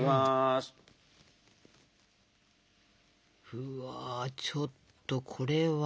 うわちょっとこれは！